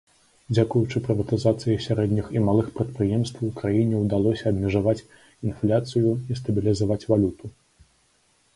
Дзякуючы прыватызацыі сярэдніх і малых прадпрыемстваў краіне ўдалося абмежаваць інфляцыю і стабілізаваць валюту.